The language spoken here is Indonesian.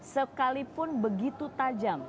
sekalipun begitu tajam